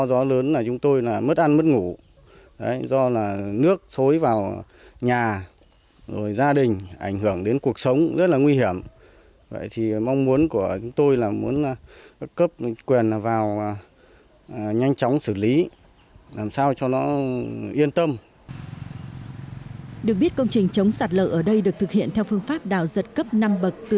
được biết công trình chống sạt lở ở đây được thực hiện theo phương pháp đào giật cấp năm bậc từ